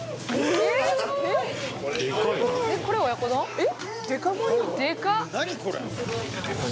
えっ！